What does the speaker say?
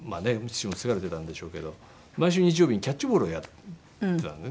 父も疲れてたんでしょうけど毎週日曜日にキャッチボールをやってたんですね。